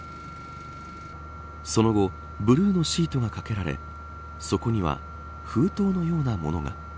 その後ブルーのシートがかけられそこには、封筒のようなものが。